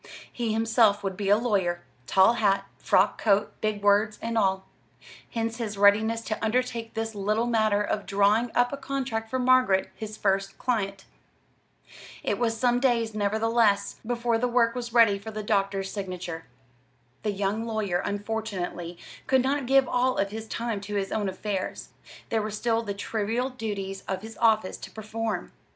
He himself would be a lawyer tall hat, frock coat, big words and all. Hence his readiness to undertake this little matter of drawing up a contract for Margaret, his first client. It was some days, nevertheless, before the work was ready for the doctor's signature. The young lawyer, unfortunately, could not give all of his time to his own affairs; there were still the trivial duties of his office to perform.